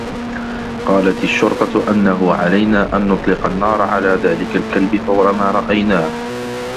قالت الشّرطة أنّه علينا أن نطلق النّار على ذلك الكلب فور ما رأيناه.